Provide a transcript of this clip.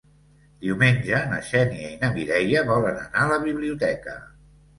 Diumenge na Xènia i na Mireia volen anar a la biblioteca.